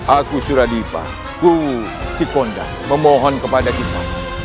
aku suradipa ku ciponda memohon kepada kita